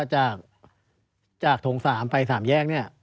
จากโถงสามไปสามแยกเนี่ย